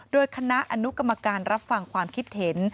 โดยคณะอนุกรรมการรับฟังความคิดเห็น